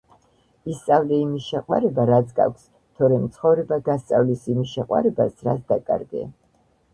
ისწავლე იმის შეყვარება, რაც გაქვს, თორემ ცხოვრება გასწავლის იმის შეყვარებას, რაც დაკარგე!